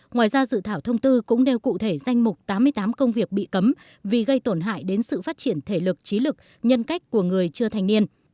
ngoài ra dự thảo thông tư cũng đeo cụ thể danh mục tám mươi tám công việc bị cấm vì gây tổn hại đến sự phát triển thể lực trí lực nhân cách của người chưa thành niên